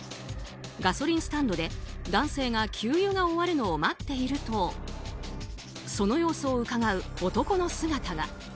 ガソリンスタンドで男性が給油が終わるのを待っているとその様子をうかがう男の姿が。